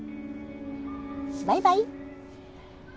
バイバイ。